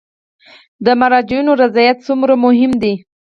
د مراجعینو رضایت څومره مهم دی؟